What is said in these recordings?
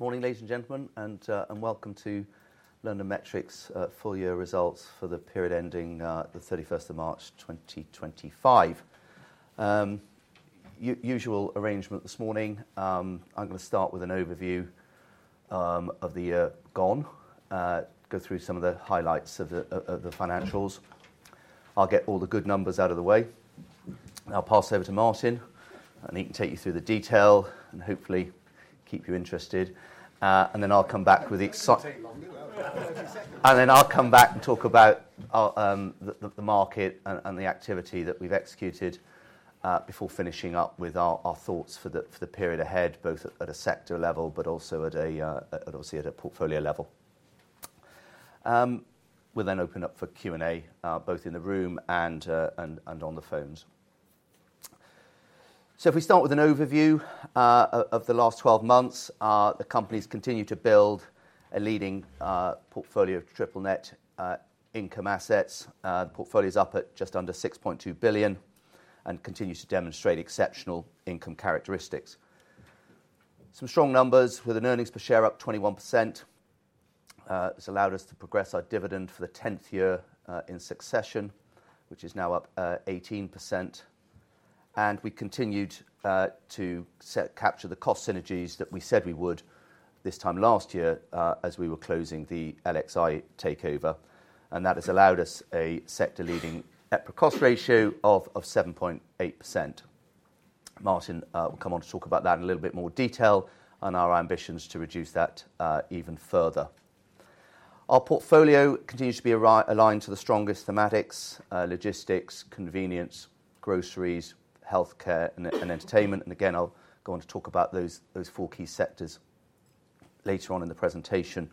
Morning, ladies and gentlemen, and welcome to LondonMetric's full-year results for the period ending the 31st of March 2025. Use your usual arrangement this morning. I'm going to start with an overview of the year gone, go through some of the highlights of the financials. I'll get all the good numbers out of the way. I'll pass over to Martin, and he can take you through the detail and hopefully keep you interested. I will come back with the exciting... It's going to take longer. Then I'll come back and talk about the market and the activity that we've executed before finishing up with our thoughts for the period ahead, both at a sector level, but also at a, obviously, at a portfolio level. We'll then open up for Q&A, both in the room and on the phones. If we start with an overview of the last 12 months, the company's continued to build a leading portfolio of triple-net income assets. The portfolio's up at just under 6.2 billion and continues to demonstrate exceptional income characteristics. Some strong numbers with an earnings per share up 21%. This allowed us to progress our dividend for the 10th year in succession, which is now up 18%. We continued to capture the cost synergies that we said we would this time last year as we were closing the LXi takeover. That has allowed us a sector-leading EPRA cost ratio of 7.8%. Martin will come on to talk about that in a little bit more detail and our ambitions to reduce that even further. Our portfolio continues to be aligned to the strongest thematics: logistics, convenience, groceries, healthcare, and entertainment. I will go on to talk about those four key sectors later on in the presentation.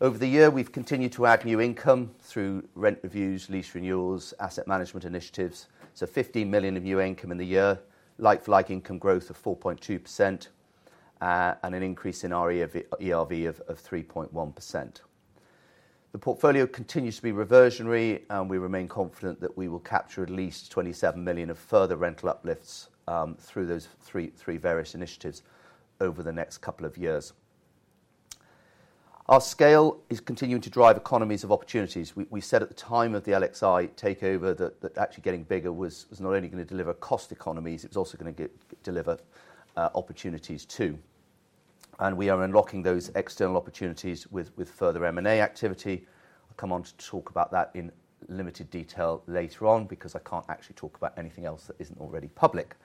Over the year, we have continued to add new income through rent reviews, lease renewals, asset management initiatives. 15 million of new income in the year, like-for-like income growth of 4.2%, and an increase in our ERV of 3.1%. The portfolio continues to be reversionary, and we remain confident that we will capture at least 27 million of further rental uplifts through those three various initiatives over the next couple of years. Our scale is continuing to drive economies of opportunities. We said at the time of the LXi takeover that actually getting bigger was not only going to deliver cost economies, it was also going to deliver opportunities too. We are unlocking those external opportunities with further M&A activity. I'll come on to talk about that in limited detail later on because I can't actually talk about anything else that isn't already public.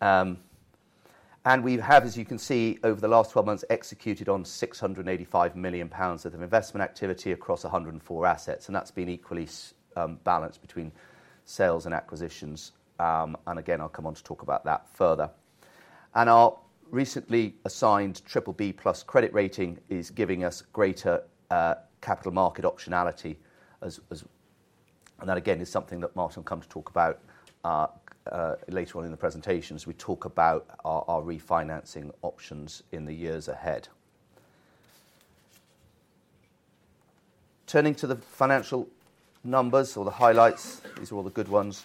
We have, as you can see, over the last 12 months, executed on 685 million pounds of investment activity across 104 assets. That's been equally balanced between sales and acquisitions. I'll come on to talk about that further. Our recently assigned BBB+ credit rating is giving us greater capital market optionality. That, again, is something that Martin will come to talk about later on in the presentation as we talk about our refinancing options in the years ahead. Turning to the financial numbers or the highlights, these are all the good ones.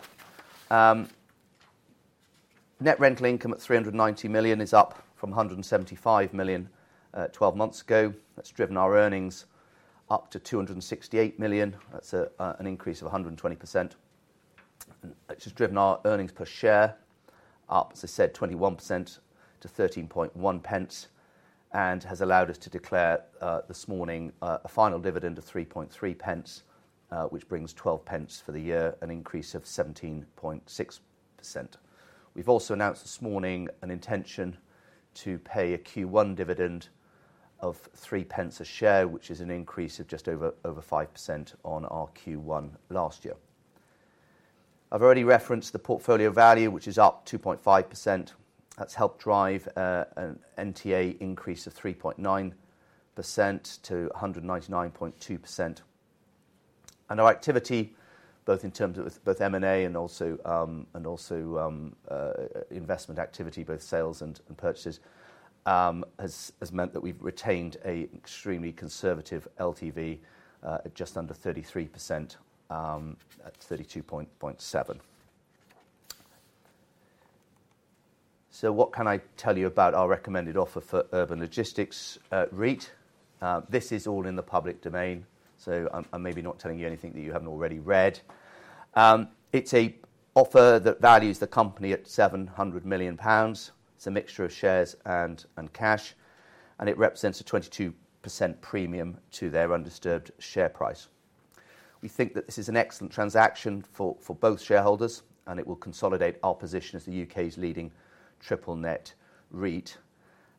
Net rental income at 390 million is up from 175 million 12 months ago. That's driven our earnings up to 268 million. That's an increase of 120%. It's just driven our earnings per share up, as I said, 21% to 13.10 and has allowed us to declare this morning a final dividend of 3.30, which brings 0.12 for the year, an increase of 17.6%. We've also announced this morning an intention to pay a Q1 dividend of 0.03 a share, which is an increase of just over 5% on our Q1 last year. I've already referenced the portfolio value, which is up 2.5%. That's helped drive an NTA increase of 3.9%-199.2%. Our activity, both in terms of both M&A and also investment activity, both sales and purchases, has meant that we've retained an extremely conservative LTV at just under 33% at 32.7%. What can I tell you about our recommended offer for Urban Logistics REIT? This is all in the public domain, so I'm maybe not telling you anything that you haven't already read. It's an offer that values the company at 700 million pounds. It's a mixture of shares and cash, and it represents a 22% premium to their undisturbed share price. We think that this is an excellent transaction for both shareholders, and it will consolidate our position as the U.K.'s leading triple-net REIT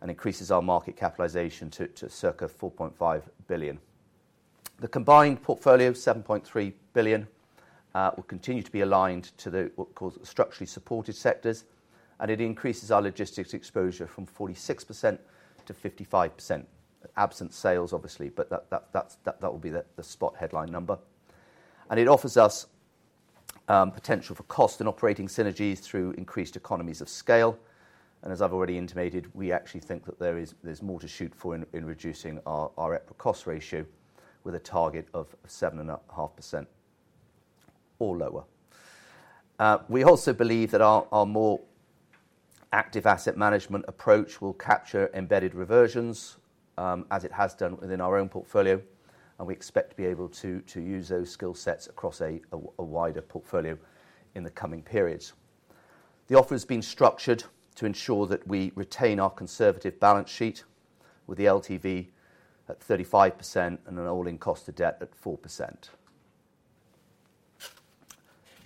and increases our market capitalization to circa $4.5 billion. The combined portfolio of 7.3 billion will continue to be aligned to what we call structurally supported sectors, and it increases our logistics exposure from 46%-55%. Absent sales, obviously, but that will be the spot headline number. It offers us potential for cost and operating synergies through increased economies of scale. As I've already intimated, we actually think that there's more to shoot for in reducing our EPRA cost ratio with a target of 7.5% or lower. We also believe that our more active asset management approach will capture embedded reversions, as it has done within our own portfolio, and we expect to be able to use those skill sets across a wider portfolio in the coming periods. The offer has been structured to ensure that we retain our conservative balance sheet with the LTV at 35% and an all-in cost of debt at 4%.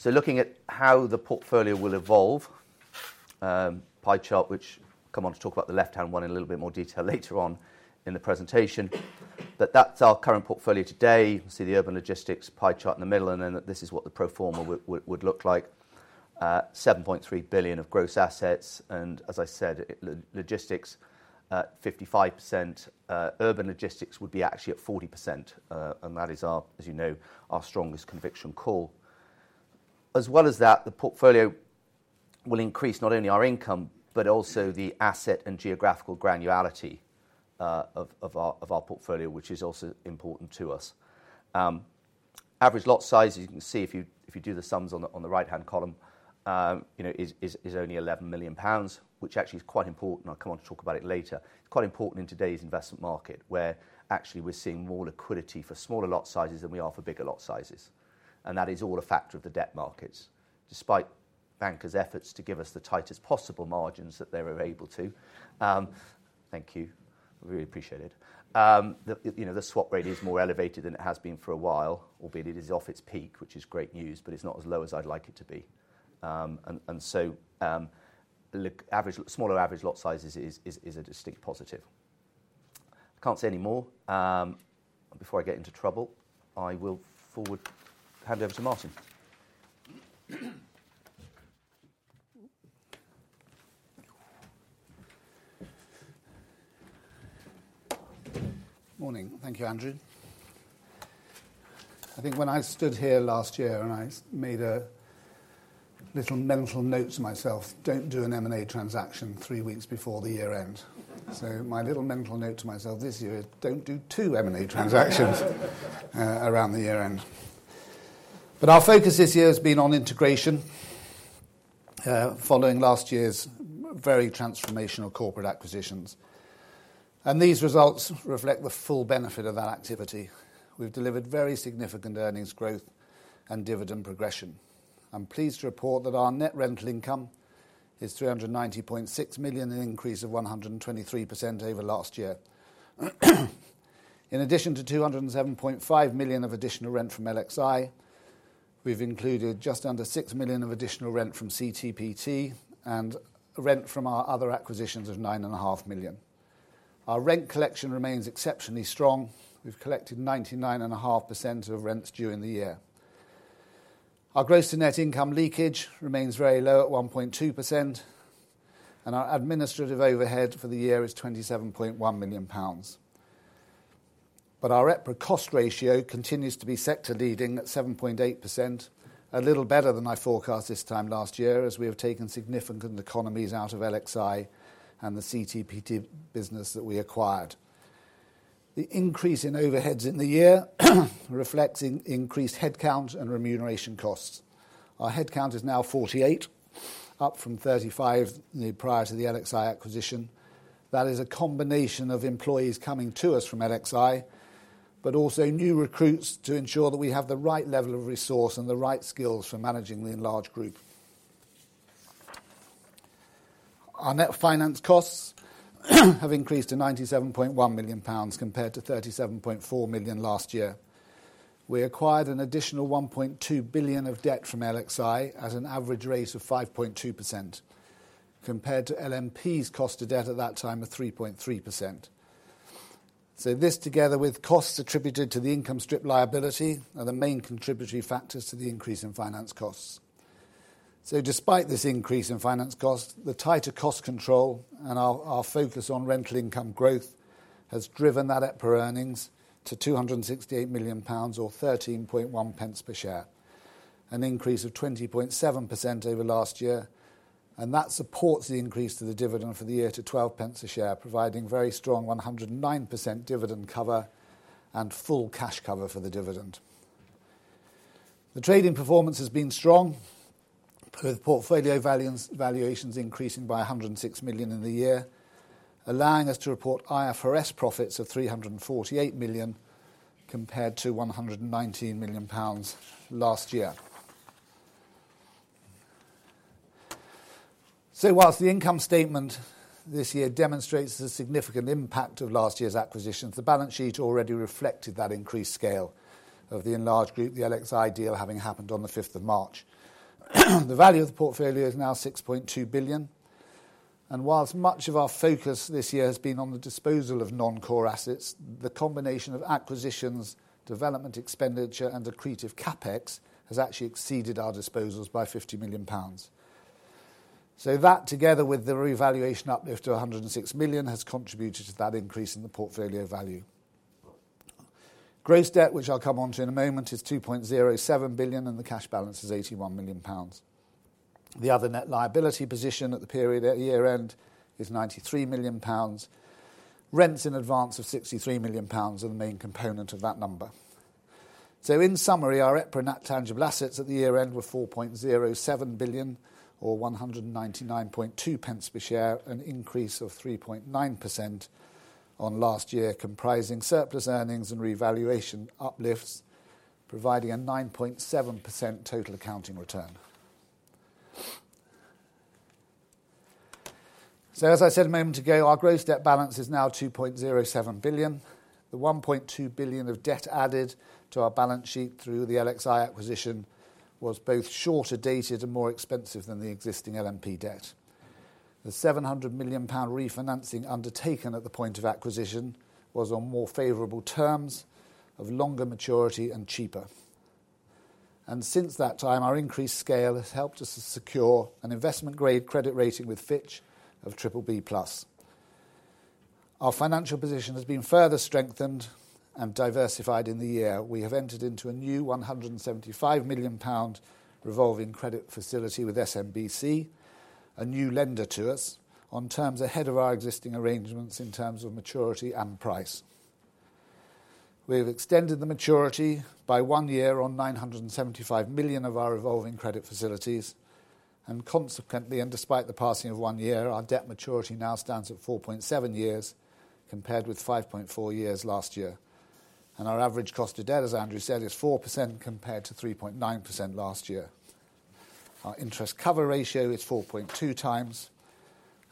Looking at how the portfolio will evolve, pie chart, which I'll come on to talk about, the left-hand one in a little bit more detail later on in the presentation, but that's our current portfolio today. You can see the Urban Logistics pie chart in the middle, and then this is what the pro forma would look like: $7.3 billion of gross assets. As I said, logistics at 55%. Urban Logistics would be actually at 40%, and that is, as you know, our strongest conviction call. As well as that, the portfolio will increase not only our income, but also the asset and geographical granularity of our portfolio, which is also important to us. Average lot size, as you can see if you do the sums on the right-hand column, is only 11 million pounds, which actually is quite important. I'll come on to talk about it later. It's quite important in today's investment market where actually we're seeing more liquidity for smaller lot sizes than we are for bigger lot sizes. That is all a factor of the debt markets, despite bankers' efforts to give us the tightest possible margins that they were able to. Thank you. I really appreciate it. The swap rate is more elevated than it has been for a while, albeit it is off its peak, which is great news, but it's not as low as I'd like it to be. Smaller average lot sizes is a distinct positive. I can't say any more. Before I get into trouble, I will forward hand over to Martin. Morning. Thank you, Andrew. I think when I stood here last year and I made a little mental note to myself, "Don't do an M&A transaction three weeks before the year end." My little mental note to myself this year is, "Don't do two M&A transactions around the year end." Our focus this year has been on integration following last year's very transformational corporate acquisitions. These results reflect the full benefit of that activity. We've delivered very significant earnings growth and dividend progression. I'm pleased to report that our net rental income is 390.6 million, an increase of 123% over last year. In addition to 207.5 million of additional rent from LXi, we've included just under 6 million of additional rent from CTPT and rent from our other acquisitions of 9.5 million. Our rent collection remains exceptionally strong. We've collected 99.5% of rents during the year. Our gross to net income leakage remains very low at 1.2%, and our administrative overhead for the year is 27.1 million pounds. Our EPRA cost ratio continues to be sector-leading at 7.8%, a little better than I forecast this time last year as we have taken significant economies out of LXi and the CTPT business that we acquired. The increase in overheads in the year reflects increased headcount and remuneration costs. Our headcount is now 48, up from 35 prior to the LXi acquisition. That is a combination of employees coming to us from LXi, but also new recruits to ensure that we have the right level of resource and the right skills for managing the enlarged group. Our net finance costs have increased to 97.1 million pounds compared to 37.4 million last year. We acquired an additional $1.2 billion of debt from LXi at an average rate of 5.2% compared to LMP's cost of debt at that time of 3.3%. This, together with costs attributed to the income strip liability, are the main contributory factors to the increase in finance costs. Despite this increase in finance costs, the tighter cost control and our focus on rental income growth has driven that EPRA earnings to 268 million pounds or 13.10 per share, an increase of 20.7% over last year. That supports the increase to the dividend for the year to 0.12 a share, providing very strong 109% dividend cover and full cash cover for the dividend. The trading performance has been strong, with portfolio valuations increasing by 106 million in the year, allowing us to report IFRS profits of 348 million compared to 119 million pounds last year. Whilst the income statement this year demonstrates the significant impact of last year's acquisitions, the balance sheet already reflected that increased scale of the enlarged group, the LXi deal having happened on the 5th of March. The value of the portfolio is now 6.2 billion. Whilst much of our focus this year has been on the disposal of non-core assets, the combination of acquisitions, development expenditure, and accretive CapEx has actually exceeded our disposals by 50 million pounds. That, together with the revaluation uplift to 106 million, has contributed to that increase in the portfolio value. Gross debt, which I'll come on to in a moment, is 2.07 billion, and the cash balance is 81 million pounds. The other net liability position at the period at year end is 93 million pounds. Rents in advance of 63 million pounds are the main component of that number. In summary, our EPRA net tangible assets at the year end were 4.07 billion or 199.20 per share, an increase of 3.9% on last year, comprising surplus earnings and revaluation uplifts, providing a 9.7% total accounting return. As I said a moment ago, our gross debt balance is now 2.07 billion. The 1.2 billion of debt added to our balance sheet through the LXi acquisition was both shorter dated and more expensive than the existing LMP debt. The 700 million pound refinancing undertaken at the point of acquisition was on more favorable terms of longer maturity and cheaper. Since that time, our increased scale has helped us secure an investment-grade credit rating with Fitch of BBB+. Our financial position has been further strengthened and diversified in the year. We have entered into a new 175 million pound revolving credit facility with SMBC, a new lender to us on terms ahead of our existing arrangements in terms of maturity and price. We have extended the maturity by one year on 975 million of our revolving credit facilities. Consequently, and despite the passing of one year, our debt maturity now stands at 4.7 years compared with 5.4 years last year. Our average cost of debt, as Andrew said, is 4% compared to 3.9% last year. Our interest cover ratio is 4.2x,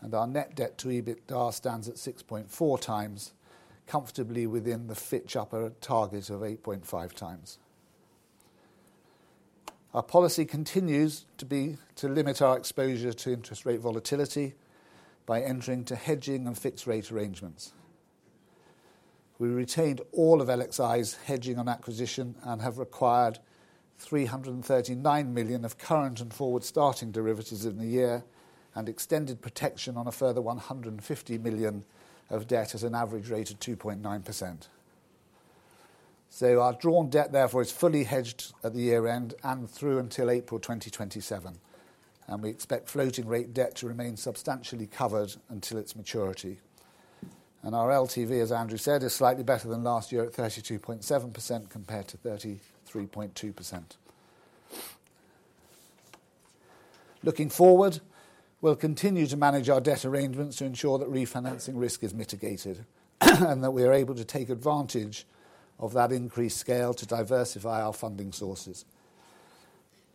and our net debt to EBITDA stands at 6.4x, comfortably within the Fitch upper target of 8.5x. Our policy continues to limit our exposure to interest rate volatility by entering into hedging and fixed rate arrangements. We retained all of LXi's hedging on acquisition and have required 339 million of current and forward starting derivatives in the year and extended protection on a further 150 million of debt at an average rate of 2.9%. Our drawn debt, therefore, is fully hedged at the year end and through until April 2027. We expect floating rate debt to remain substantially covered until its maturity. Our LTV, as Andrew said, is slightly better than last year at 32.7% compared to 33.2%. Looking forward, we will continue to manage our debt arrangements to ensure that refinancing risk is mitigated and that we are able to take advantage of that increased scale to diversify our funding sources.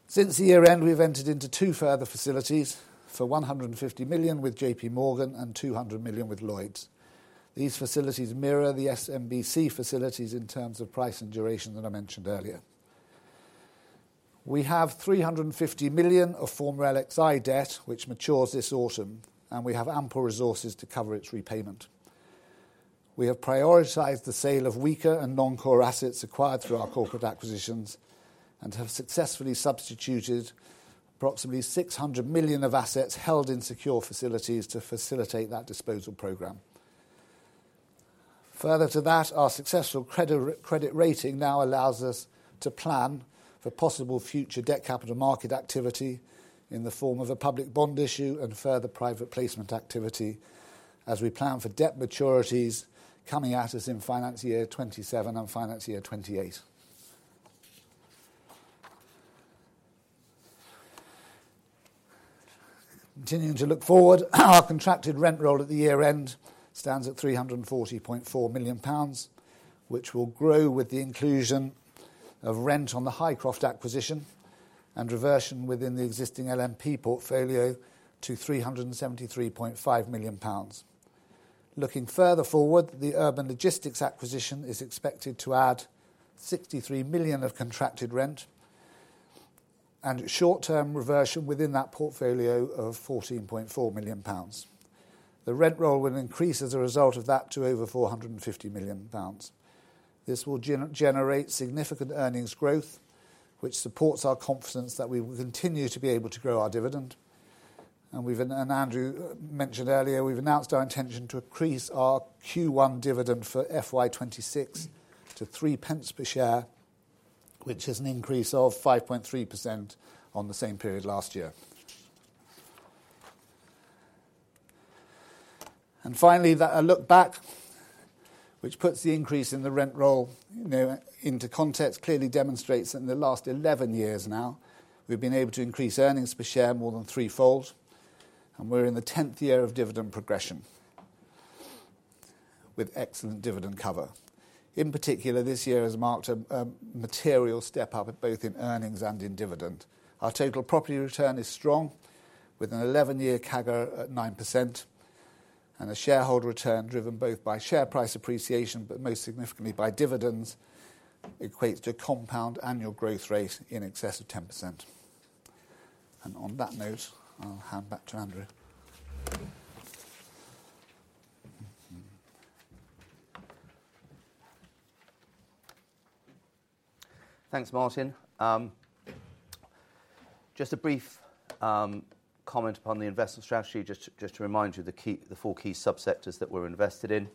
Since the year end, we have entered into two further facilities for 150 million with JPMorgan and 200 million with Lloyds. These facilities mirror the SMBC facilities in terms of price and duration that I mentioned earlier. We have 350 million of former LXi debt, which matures this autumn, and we have ample resources to cover its repayment. We have prioritized the sale of weaker and non-core assets acquired through our corporate acquisitions and have successfully substituted approximately 600 million of assets held in secure facilities to facilitate that disposal program. Further to that, our successful credit rating now allows us to plan for possible future debt capital market activity in the form of a public bond issue and further private placement activity as we plan for debt maturities coming at us in finance year 2027 and finance year 2028. Continuing to look forward, our contracted rent roll at the year end stands at 340.4 million pounds, which will grow with the inclusion of rent on the Highcroft acquisition and reversion within the existing LMP portfolio to 373.5 million pounds. Looking further forward, the Urban Logistics acquisition is expected to add 63 million of contracted rent and short-term reversion within that portfolio of 14.4 million pounds. The rent roll will increase as a result of that to over 450 million pounds. This will generate significant earnings growth, which supports our confidence that we will continue to be able to grow our dividend. As Andrew mentioned earlier, we've announced our intention to increase our Q1 dividend for FY26 to 0.03 per share, which is an increase of 5.3% on the same period last year. Finally, a look back, which puts the increase in the rent roll into context, clearly demonstrates that in the last 11 years now, we've been able to increase earnings per share more than threefold, and we're in the 10th year of dividend progression with excellent dividend cover. In particular, this year has marked a material step up both in earnings and in dividend. Our total property return is strong with an 11-year CAGR at 9%, and a shareholder return driven both by share price appreciation, but most significantly by dividends, equates to a compound annual growth rate in excess of 10%. On that note, I'll hand back to Andrew. Thanks, Martin. Just a brief comment upon the investment strategy, just to remind you of the four key subsectors that we are invested in.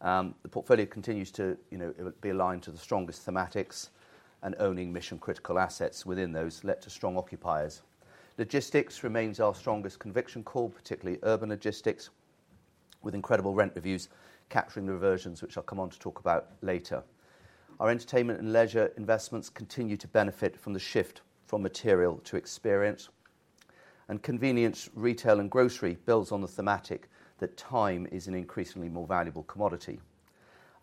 The portfolio continues to be aligned to the strongest thematics and owning mission-critical assets within those led to strong occupiers. Logistics remains our strongest conviction core, particularly urban logistics, with incredible rent reviews capturing the reversions, which I will come on to talk about later. Our entertainment and leisure investments continue to benefit from the shift from material to experience. Convenience, retail, and grocery builds on the thematic that time is an increasingly more valuable commodity.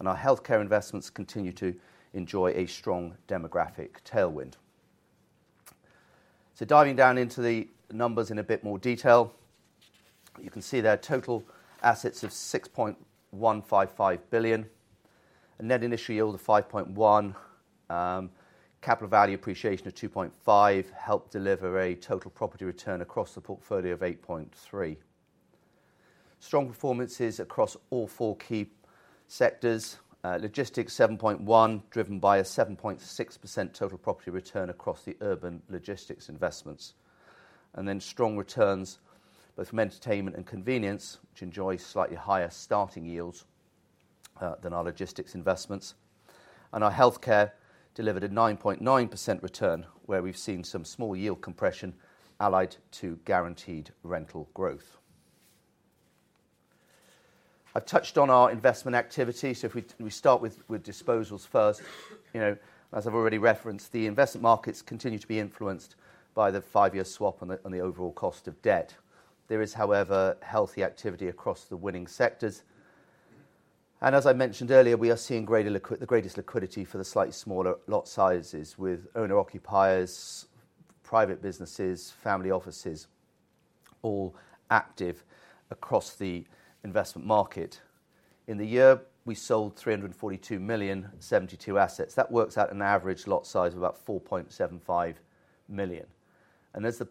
Our healthcare investments continue to enjoy a strong demographic tailwind. Diving down into the numbers in a bit more detail, you can see there are total assets of 6.155 billion, a net initial yield of 5.1%, capital value appreciation of 2.5% helped deliver a total property return across the portfolio of 8.3%. Strong performances across all four key sectors. Logistics, 7.1%, driven by a 7.6% total property return across the urban logistics investments. Strong returns both from entertainment and convenience, which enjoy slightly higher starting yields than our logistics investments. Our healthcare delivered a 9.9% return, where we have seen some small yield compression allied to guaranteed rental growth. I have touched on our investment activity. If we start with disposals first, as I have already referenced, the investment markets continue to be influenced by the five-year swap and the overall cost of debt. There is, however, healthy activity across the winning sectors. As I mentioned earlier, we are seeing the greatest liquidity for the slightly smaller lot sizes, with owner-occupiers, private businesses, family offices all active across the investment market. In the year, we sold 342 million, 72 assets. That works out an average lot size of about 4.75 million. As the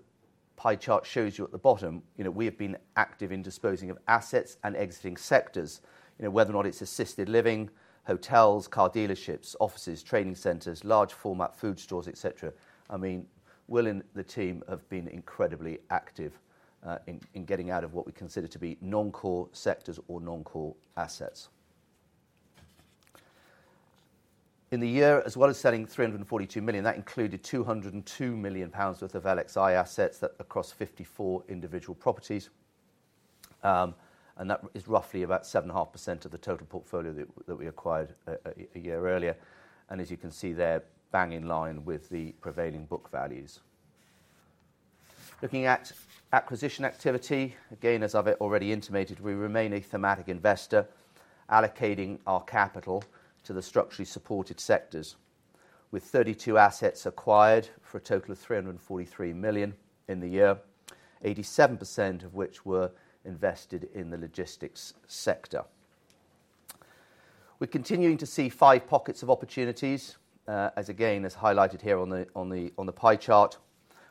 pie chart shows you at the bottom, we have been active in disposing of assets and exiting sectors. Whether or not it's assisted living, hotels, car dealerships, offices, training centers, large-format food stores, etc., I mean, Will and the team have been incredibly active in getting out of what we consider to be non-core sectors or non-core assets. In the year, as well as selling 342 million, that included 202 million pounds worth of LXi assets across 54 individual properties. That is roughly about 7.5% of the total portfolio that we acquired a year earlier. As you can see there, bang in line with the prevailing book values. Looking at acquisition activity, again, as I've already intimated, we remain a thematic investor, allocating our capital to the structurally supported sectors, with 32 assets acquired for a total of 343 million in the year, 87% of which were invested in the logistics sector. We're continuing to see five pockets of opportunities, as highlighted here on the pie chart,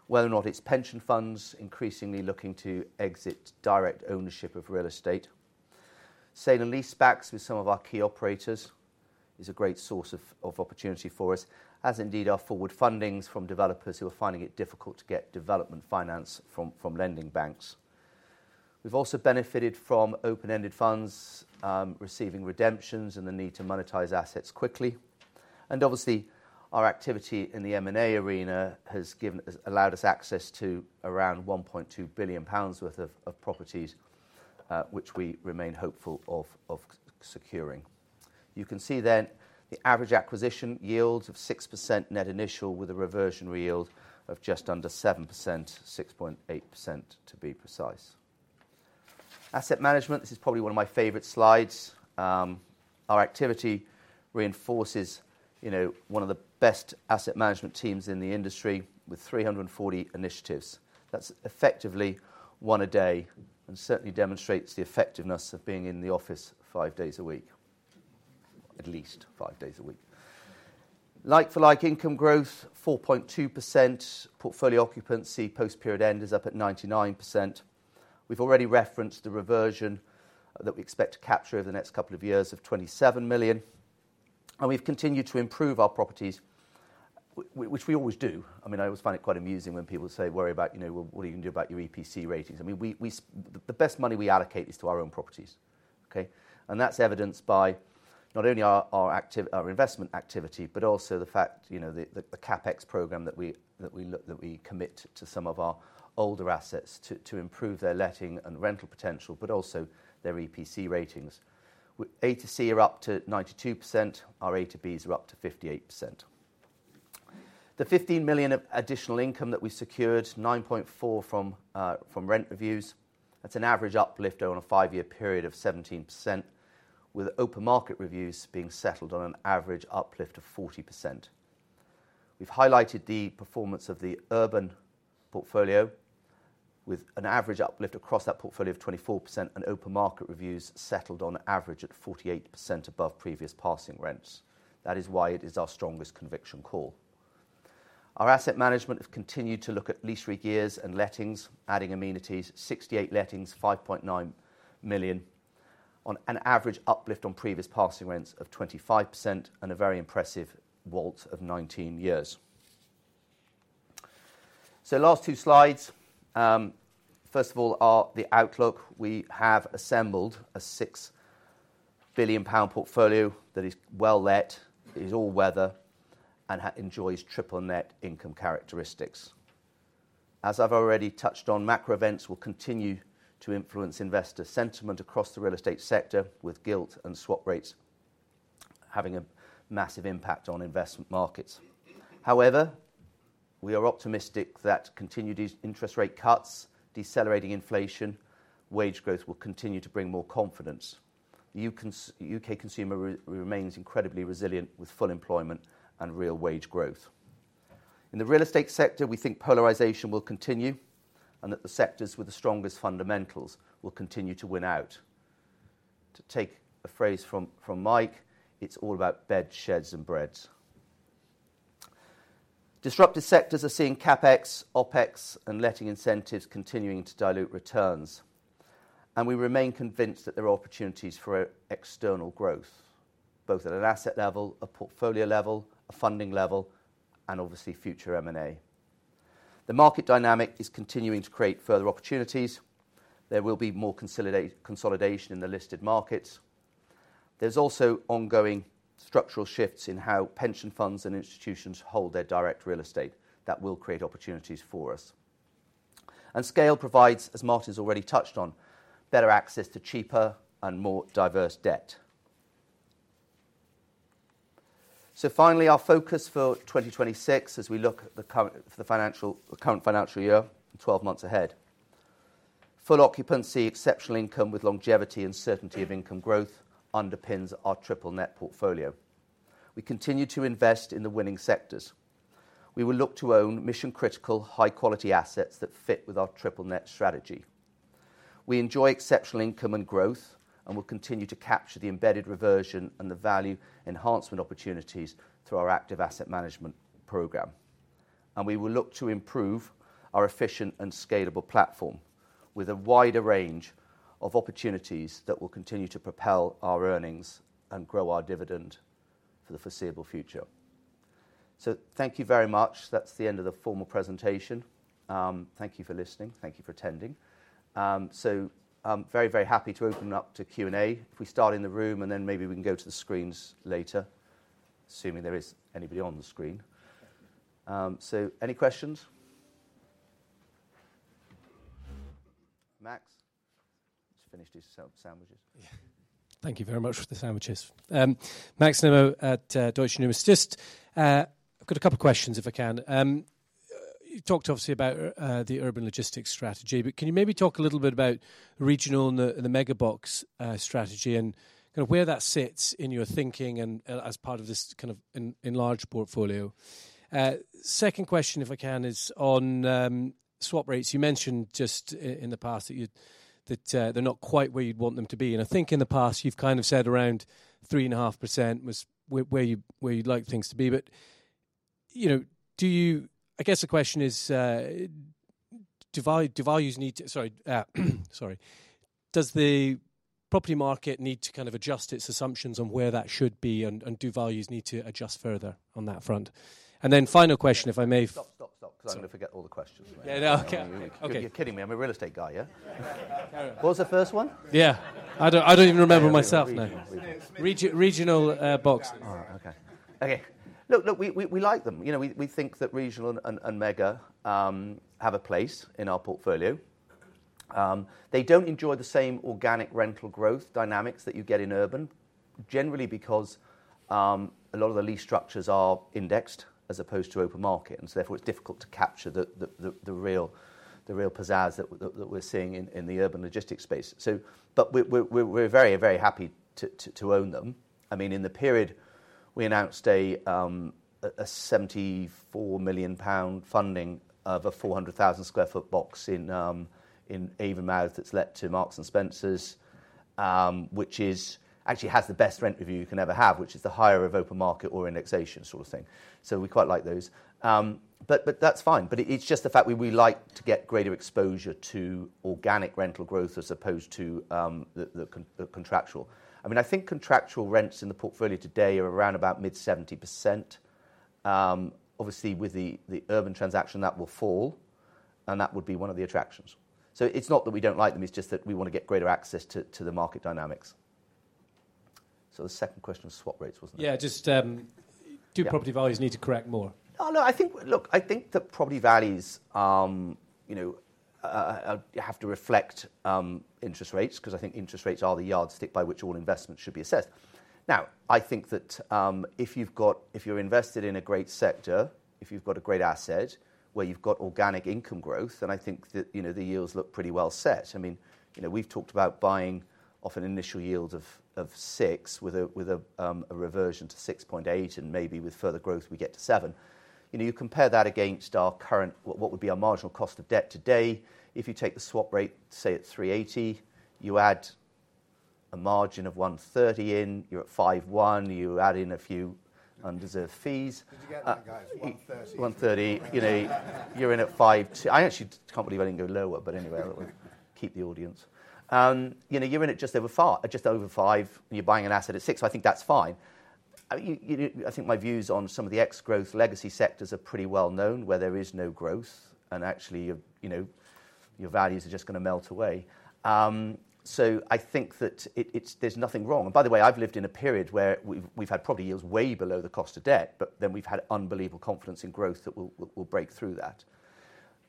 whether or not it's pension funds increasingly looking to exit direct ownership of real estate. Sale and leasebacks, with some of our key operators, is a great source of opportunity for us, as indeed are forward fundings from developers who are finding it difficult to get development finance from lending banks. We've also benefited from open-ended funds receiving redemptions and the need to monetize assets quickly. Obviously, our activity in the M&A arena has allowed us access to around 1.2 billion pounds worth of properties, which we remain hopeful of securing. You can see then the average acquisition yields of 6% net initial with a reversion yield of just under 7%, 6.8% to be precise. Asset management, this is probably one of my favorite slides. Our activity reinforces one of the best asset management teams in the industry with 340 initiatives. That is effectively one a day and certainly demonstrates the effectiveness of being in the office five days a week, at least five days a week. Like-for-like income growth, 4.2% portfolio occupancy, post-period end is up at 99%. We have already referenced the reversion that we expect to capture over the next couple of years of 27 million. We have continued to improve our properties, which we always do. I mean, I always find it quite amusing when people say, "Worry about what are you going to do about your EPC ratings." I mean, the best money we allocate is to our own properties. And that's evidenced by not only our investment activity, but also the fact the CapEx program that we commit to some of our older assets to improve their letting and rental potential, but also their EPC ratings. A to C are up to 92%. Our A to Bs are up to 58%. The 15 million additional income that we secured, 9.4 million from rent reviews, that's an average uplift over a five-year period of 17%, with open market reviews being settled on an average uplift of 40%. have highlighted the performance of the urban portfolio with an average uplift across that portfolio of 24% and open market reviews settled on average at 48% above previous passing rents. That is why it is our strongest conviction core. Our asset management has continued to look at lease rig years and lettings, adding amenities, 68 lettings, 5.9 million, on an average uplift on previous passing rents of 25% and a very impressive WALT of 19 years. Last two slides. First of all, the outlook. We have assembled a 6 billion pound portfolio that is well let, is all weather, and enjoys triple net income characteristics. As I have already touched on, macro events will continue to influence investor sentiment across the real estate sector, with gilt and swap rates having a massive impact on investment markets. However, we are optimistic that continued interest rate cuts, decelerating inflation, and wage growth will continue to bring more confidence. The U.K. consumer remains incredibly resilient with full employment and real wage growth. In the real estate sector, we think polarization will continue and that the sectors with the strongest fundamentals will continue to win out. To take a phrase from Mike, it's all about beds, sheds, and breads. Disruptive sectors are seeing CapEx, OpEx, and letting incentives continuing to dilute returns. We remain convinced that there are opportunities for external growth, both at an asset level, a portfolio level, a funding level, and obviously future M&A. The market dynamic is continuing to create further opportunities. There will be more consolidation in the listed markets. There are also ongoing structural shifts in how pension funds and institutions hold their direct real estate that will create opportunities for us. Scale provides, as Martin's already touched on, better access to cheaper and more diverse debt. Finally, our focus for 2026 as we look at the current financial year and 12 months ahead. Full occupancy, exceptional income with longevity and certainty of income growth underpins our triple net portfolio. We continue to invest in the winning sectors. We will look to own mission-critical, high-quality assets that fit with our triple net strategy. We enjoy exceptional income and growth and will continue to capture the embedded reversion and the value enhancement opportunities through our active asset management program. We will look to improve our efficient and scalable platform with a wider range of opportunities that will continue to propel our earnings and grow our dividend for the foreseeable future. Thank you very much. That is the end of the formal presentation. Thank you for listening. Thank you for attending. I'm very, very happy to open up to Q&A. If we start in the room and then maybe we can go to the screens later, assuming there is anybody on the screen. Any questions? Max? Just finished his sandwiches. Thank you very much for the sandwiches. Max Nimmo at Deutsche Bank. I've got a couple of questions if I can. You talked obviously about the urban logistics strategy, but can you maybe talk a little bit about regional and the mega box strategy and kind of where that sits in your thinking and as part of this kind of enlarged portfolio? Second question, if I can, is on swap rates. You mentioned just in the past that they're not quite where you'd want them to be. I think in the past you've kind of said around 3.5% was where you'd like things to be. Do you, I guess the question is, do values need to, sorry, does the property market need to kind of adjust its assumptions on where that should be and do values need to adjust further on that front? Final question, if I may. Stop, stop, stop, because I'm going to forget all the questions. Yeah, no, okay. You're kidding me. I'm a real estate guy, yeah? What was the first one? Yeah. I don't even remember myself now. Regional box. Oh, okay. Okay. Look, we like them. We think that regional and mega have a place in our portfolio. They do not enjoy the same organic rental growth dynamics that you get in urban, generally because a lot of the lease structures are indexed as opposed to open market. Therefore, it is difficult to capture the real pizazz that we are seeing in the urban logistics space. We are very, very happy to own them. I mean, in the period, we announced a 74 million pound funding of a 400,000 sq ft box in Avonmouth that is lent to Marks & Spencer, which actually has the best rent review you can ever have, which is the higher of open market or indexation sort of thing. We quite like those. That is fine. It is just the fact we like to get greater exposure to organic rental growth as opposed to the contractual. I mean, I think contractual rents in the portfolio today are around about mid 70%. Obviously, with the Urban transaction, that will fall and that would be one of the attractions. It's not that we don't like them, it's just that we want to get greater access to the market dynamics. The second question was swap rates, wasn't it? Yeah, just do property values need to correct more? Oh, no, I think, look, I think that property values have to reflect interest rates because I think interest rates are the yardstick by which all investments should be assessed. Now, I think that if you're invested in a great sector, if you've got a great asset where you've got organic income growth, then I think that the yields look pretty well set. I mean, we've talked about buying off an initial yield of 6 with a reversion to 6.8 and maybe with further growth we get to 7. You compare that against our current, what would be our marginal cost of debt today, if you take the swap rate, say at 380, you add a margin of 130 in, you're at 510, you add in a few undeserved fees. Did you get that, guys? 130. You're in at 52. I actually can't believe I didn't go lower, but anyway, I'll keep the audience. You're in it just over five. You're buying an asset at six, I think that's fine. I think my views on some of the ex-growth legacy sectors are pretty well known where there is no growth and actually your values are just going to melt away. I think that there's nothing wrong. By the way, I've lived in a period where we've had property yields way below the cost of debt, but then we've had unbelievable confidence in growth that will break through that.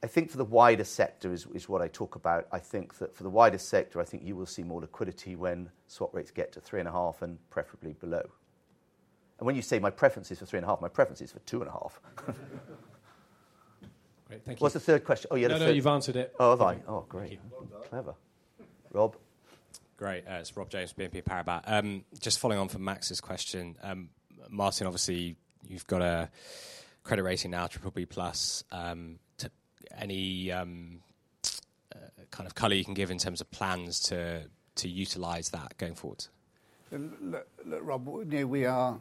I think for the wider sector is what I talk about. I think that for the wider sector, I think you will see more liquidity when swap rates get to three and a half and preferably below. When you say my preference is for three and a half, my preference is for two and a half. Great. Thank you. What's the third question? Oh, yeah, the third. No, no, you've answered it. Oh, have I? Oh, great. Thank you. Clever. Rob? Great. It's Rob James, BNP Paribas. Just following on from Max's question. Martin, obviously you've got a credit rating now, Triple B Plus. Any kind of color you can give in terms of plans to utilize that going forward? Look, Rob,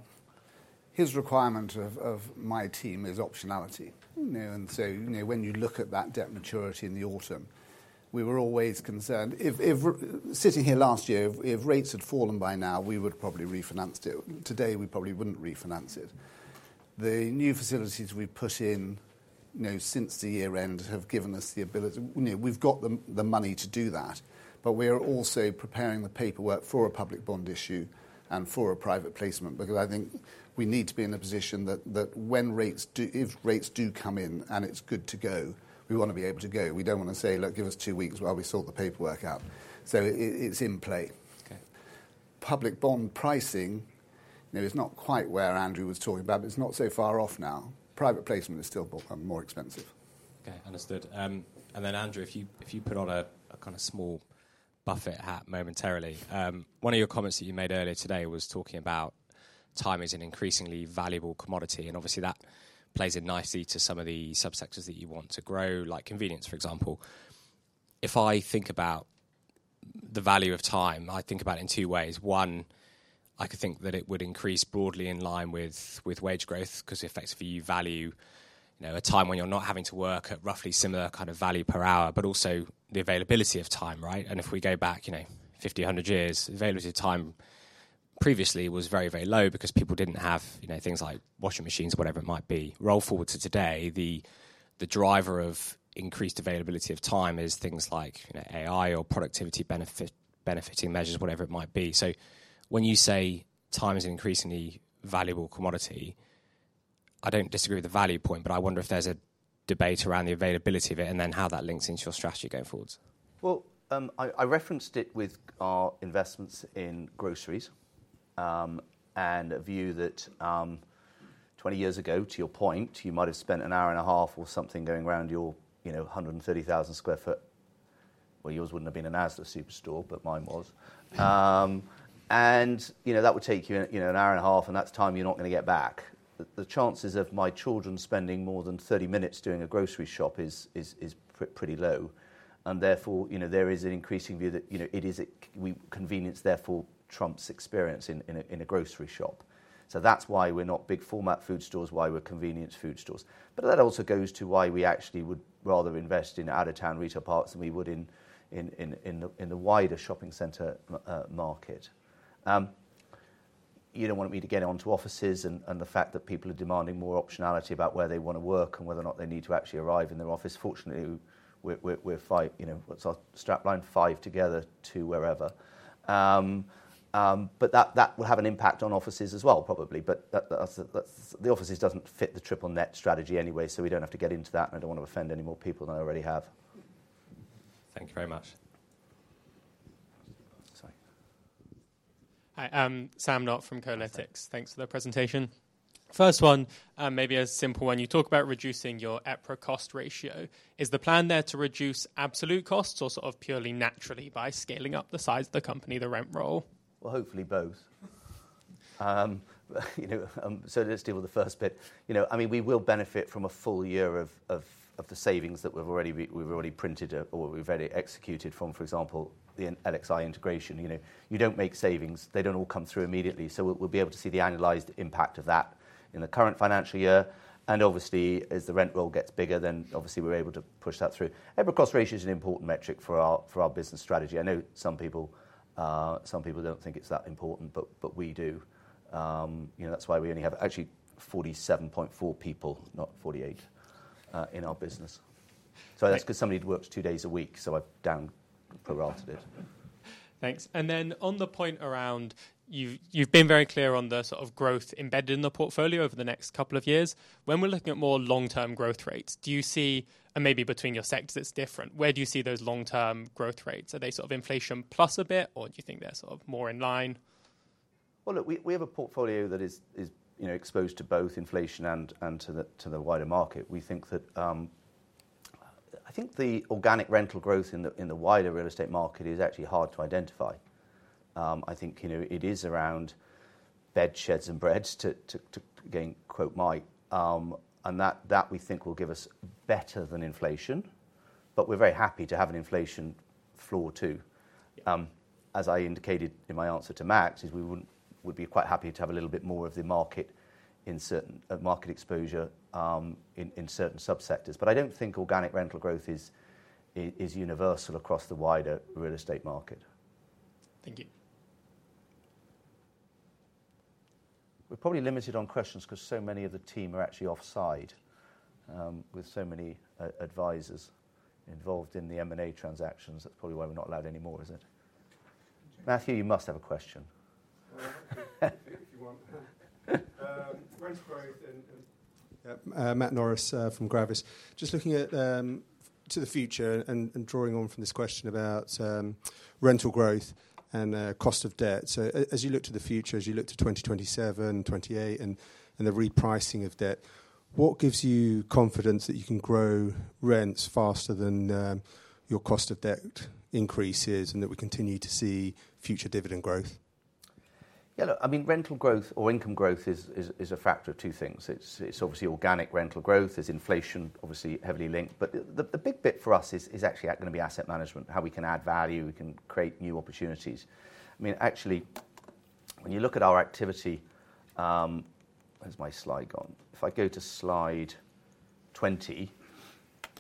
his requirement of my team is optionality. When you look at that debt maturity in the autumn, we were always concerned. Sitting here last year, if rates had fallen by now, we would have probably refinanced it. Today, we probably would not refinance it. The new facilities we have put in since the year-end have given us the ability, we have got the money to do that. We are also preparing the paperwork for a public bond issue and for a private placement because I think we need to be in a position that when rates do come in and it is good to go, we want to be able to go. We do not want to say, "Look, give us two weeks while we sort the paperwork out." It is in play. Public bond pricing is not quite where Andrew was talking about, but it's not so far off now. Private placement is still more expensive. Okay, understood. Andrew, if you put on a kind of small Buffett hat momentarily, one of your comments that you made earlier today was talking about time is an increasingly valuable commodity. Obviously that plays in nicely to some of the subsectors that you want to grow, like convenience, for example. If I think about the value of time, I think about it in two ways. One, I could think that it would increase broadly in line with wage growth because it affects value of time when you're not having to work at roughly similar kind of value per hour, but also the availability of time, right? If we go back 50, 100 years, the availability of time previously was very, very low because people did not have things like washing machines, whatever it might be. Roll forward to today, the driver of increased availability of time is things like AI or productivity benefiting measures, whatever it might be. When you say time is an increasingly valuable commodity, I don't disagree with the value point, but I wonder if there's a debate around the availability of it and then how that links into your strategy going forward. I referenced it with our investments in groceries and a view that 20 years ago, to your point, you might have spent an hour and a half or something going around your 130,000 sq ft. Well, yours would not have been a NASLA superstore, but mine was. That would take you an hour and a half, and that is time you are not going to get back. The chances of my children spending more than 30 minutes doing a grocery shop is pretty low. Therefore, there is an increasing view that it is convenience, therefore trumps experience in a grocery shop. That is why we are not big format food stores, why we are convenience food stores. That also goes to why we actually would rather invest in out-of-town retail parks than we would in the wider shopping center market. You don't want me to get onto offices and the fact that people are demanding more optionality about where they want to work and whether or not they need to actually arrive in their office. Fortunately, we're five. What's our strap line? Five together to wherever. That will have an impact on offices as well, probably. The offices doesn't fit the triple net strategy anyway, so we don't have to get into that. I don't want to offend any more people than I already have. Thank you very much. Sorry. Hi, Sam Knott from Colitics. Thanks for the presentation. First one, maybe a simple one. You talk about reducing your EPRA cost ratio. Is the plan there to reduce absolute costs or sort of purely naturally by scaling up the size of the company, the rent roll? Hopefully both. Let's deal with the first bit. I mean, we will benefit from a full year of the savings that we've already printed or we've already executed from, for example, the LXi integration. You do not make savings. They do not all come through immediately. We will be able to see the annualized impact of that in the current financial year. Obviously, as the rent roll gets bigger, then obviously we are able to push that through. EPRA cost ratio is an important metric for our business strategy. I know some people do not think it is that important, but we do. That is why we only have actually 47.4 people, not 48, in our business. That is because somebody works two days a week, so I have downparroted it. Thanks. On the point around you've been very clear on the sort of growth embedded in the portfolio over the next couple of years. When we're looking at more long-term growth rates, do you see, and maybe between your sectors, it's different, where do you see those long-term growth rates? Are they sort of inflation plus a bit, or do you think they're more in line? Look, we have a portfolio that is exposed to both inflation and to the wider market. I think the organic rental growth in the wider real estate market is actually hard to identify. I think it is around bedsheds and breads, to again quote Mike, and that we think will give us better than inflation. We are very happy to have an inflation floor too. As I indicated in my answer to Max, we would be quite happy to have a little bit more of the market exposure in certain subsectors. I do not think organic rental growth is universal across the wider real estate market. Thank you. We're probably limited on questions because so many of the team are actually offside with so many advisors involved in the M&A transactions. That's probably why we're not allowed anymore, is it? Matthew, you must have a question. Matt Norris from Gravis. Just looking to the future and drawing on from this question about rental growth and cost of debt. As you look to the future, as you look to 2027, 2028, and the repricing of debt, what gives you confidence that you can grow rents faster than your cost of debt increases and that we continue to see future dividend growth? Yeah, look, I mean, rental growth or income growth is a factor of two things. It's obviously organic rental growth. There's inflation, obviously heavily linked. The big bit for us is actually going to be asset management, how we can add value, we can create new opportunities. I mean, actually, when you look at our activity, where's my slide gone? If I go to slide 20,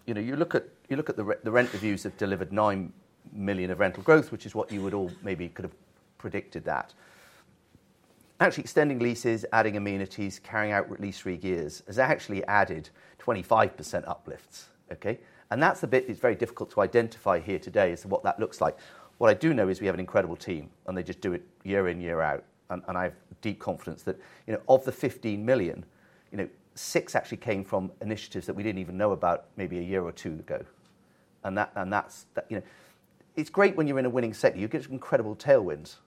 you look at the rent reviews have delivered 9 million of rental growth, which is what you would all maybe could have predicted that. Actually, extending leases, adding amenities, carrying out at least three years has actually added 25% uplifts. Okay? That's the bit that's very difficult to identify here today as to what that looks like. What I do know is we have an incredible team and they just do it year in, year out. I have deep confidence that of the 15 million, 6 million actually came from initiatives that we did not even know about maybe a year or two ago. It is great when you are in a winning sector. You get incredible tailwinds.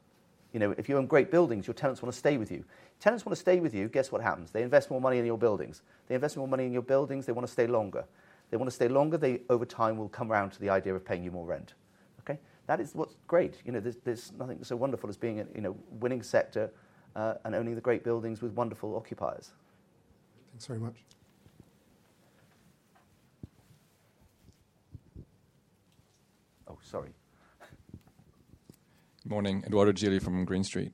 If you are in great buildings, your tenants want to stay with you. Tenants want to stay with you, guess what happens? They invest more money in your buildings. They invest more money in your buildings, they want to stay longer. They want to stay longer, they over time will come around to the idea of paying you more rent. Okay? That is what is great. There is nothing so wonderful as being a winning sector and owning the great buildings with wonderful occupiers. Thanks very much. Oh, sorry. Good morning, Edoardo Gili from Green Street.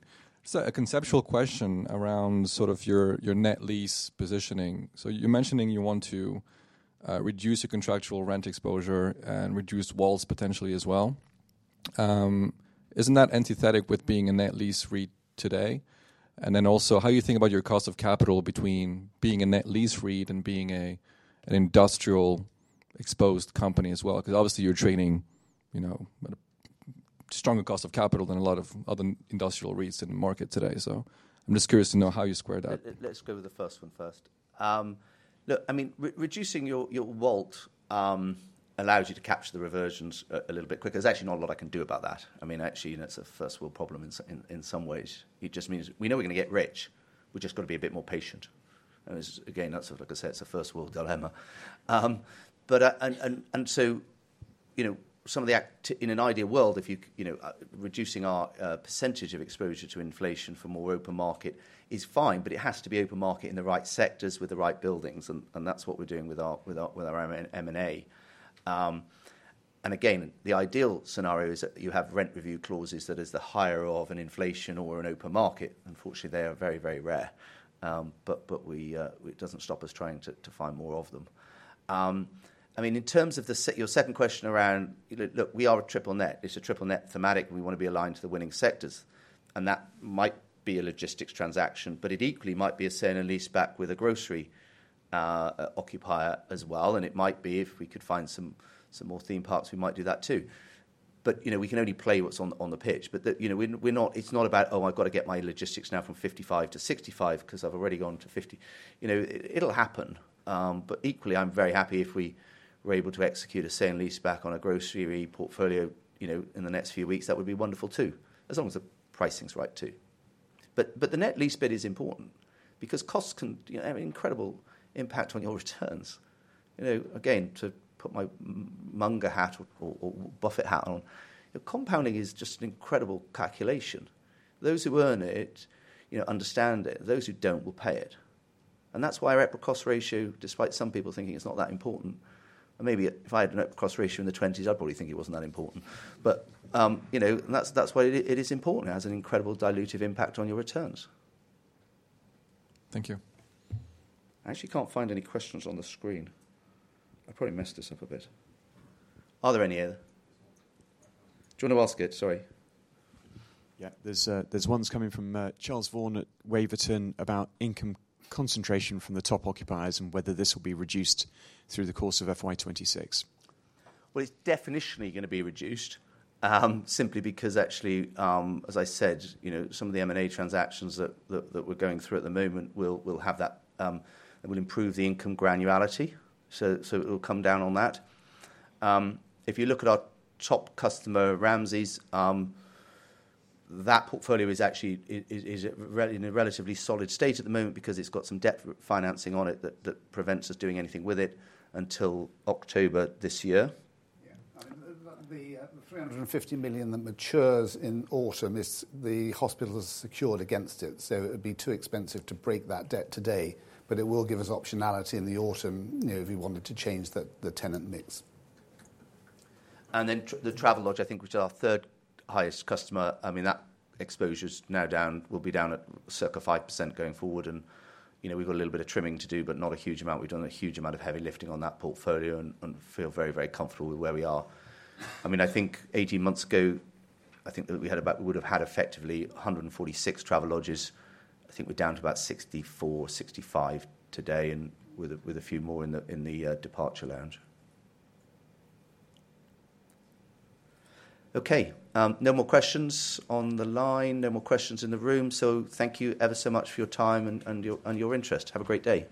A conceptual question around sort of your net lease positioning. You’re mentioning you want to reduce your contractual rent exposure and reduce WALT potentially as well. Isn’t that antithetic with being a net lease REIT today? How do you think about your cost of capital between being a net lease REIT and being an industrial exposed company as well? Because obviously you’re trading a stronger cost of capital than a lot of other industrial REITs in the market today. I’m just curious to know how you square that. Let's go with the first one first. Look, I mean, reducing your WALT allows you to capture the reversions a little bit quicker. There's actually not a lot I can do about that. I mean, actually, it's a first world problem in some ways. It just means we know we're going to get rich. We've just got to be a bit more patient. Again, that's sort of, like I said, it's a first world dilemma. Some of the, in an ideal world, reducing our percentage of exposure to inflation for more open market is fine, but it has to be open market in the right sectors with the right buildings. That's what we're doing with our M&A. Again, the ideal scenario is that you have rent review clauses that is the higher of an inflation or an open market. Unfortunately, they are very, very rare. It doesn't stop us trying to find more of them. I mean, in terms of your second question around, look, we are a triple net. It's a triple net thematic. We want to be aligned to the winning sectors. That might be a logistics transaction, but it equally might be a sale and lease back with a grocery occupier as well. It might be if we could find some more theme parks, we might do that too. We can only play what's on the pitch. It's not about, "Oh, I've got to get my logistics now from 55-65 because I've already gone to 50." It'll happen. Equally, I'm very happy if we were able to execute a sale and lease back on a grocery portfolio in the next few weeks. That would be wonderful too, as long as the pricing's right too. The net lease bid is important because costs can have an incredible impact on your returns. Again, to put my Munga hat or Buffett hat on, compounding is just an incredible calculation. Those who earn it understand it. Those who do not will pay it. That is why our EPRA cost ratio, despite some people thinking it is not that important, and maybe if I had an EPRA cost ratio in the 20s, I would probably think it was not that important. That is why it is important. It has an incredible dilutive impact on your returns. Thank you. I actually can't find any questions on the screen. I probably messed this up a bit. Are there any? Do you want to ask it? Sorry. Yeah, there's one coming from Charles Vaughan at Waverton about income concentration from the top occupiers and whether this will be reduced through the course of FY26. It is definitionally going to be reduced simply because actually, as I said, some of the M&A transactions that we are going through at the moment will have that and will improve the income granularity. It will come down on that. If you look at our top customer, Ramsay's, that portfolio is actually in a relatively solid state at the moment because it has some debt financing on it that prevents us doing anything with it until October this year. Yeah. The 350 million that matures in autumn, the hospital is secured against it. It would be too expensive to break that debt today. It will give us optionality in the autumn if we wanted to change the tenant mix. The Travelodge, I think, which is our third highest customer, that exposure is now down, will be down at circa 5% going forward. We've got a little bit of trimming to do, but not a huge amount. We've done a huge amount of heavy lifting on that portfolio and feel very, very comfortable with where we are. I think 18 months ago, we would have had effectively 146 Travelodges. I think we're down to about 64-65 today, and with a few more in the departure lounge. No more questions on the line. No more questions in the room. Thank you ever so much for your time and your interest. Have a great day.